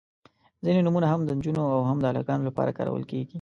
• ځینې نومونه هم د نجونو او هم د هلکانو لپاره کارول کیږي.